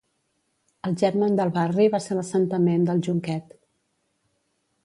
El germen del barri va ser l'assentament d'El Jonquet.